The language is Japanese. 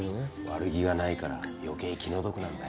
悪気がないから余計気の毒なんだよ。